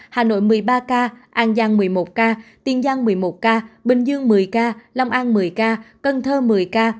hà nội một mươi ba ca an giang một mươi một ca tiên giang một mươi một ca bình dương một mươi ca long an một mươi ca cần thơ một mươi ca